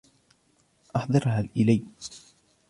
أحضرها إلي.